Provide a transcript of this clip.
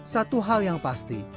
satu hal yang pasti